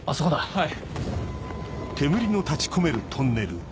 はい。